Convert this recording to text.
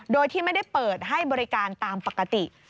โดยที่ไม่ได้เปิดให้บริการตามปกติ